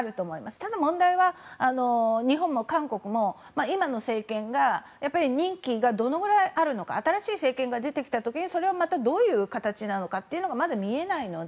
ただ問題は、日本も韓国も今の政権が任期がどのぐらいあるのか新しい政権が出てきた時にそれがまたどういう形なのかがまだ見えないので。